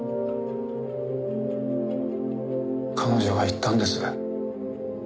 彼女が言ったんです